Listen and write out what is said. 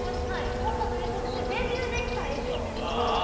コンサートの衣装ですけどデビューで着た衣装。